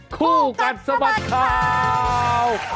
คู่กัดสะบัดข่าว